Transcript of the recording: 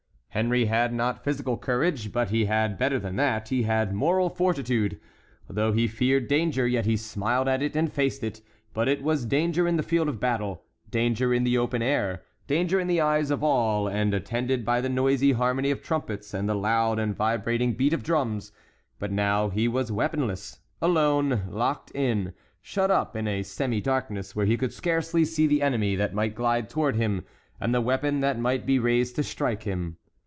Henry had not physical courage, but he had better than that—he had moral fortitude. Though he feared danger, yet he smiled at it and faced it; but it was danger in the field of battle—danger in the open air—danger in the eyes of all, and attended by the noisy harmony of trumpets and the loud and vibrating beat of drums; but now he was weaponless, alone, locked in, shut up in a semi darkness where he could scarcely see the enemy that might glide toward him, and the weapon that might be raised to strike him.